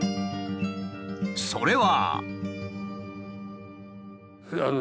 それは。